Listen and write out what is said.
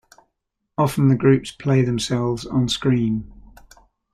Often the groups play themselves onscreen.